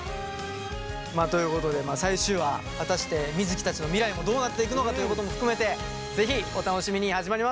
まあということで最終話果たして水城たちの未来もどうなっていくのかということも含めて変な始まり。